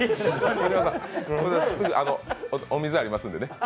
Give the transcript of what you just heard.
小島さん、お水ありますんでね。